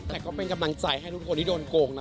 แต่ก็เป็นกำลังใจให้ทุกคนที่โดนโกงนะ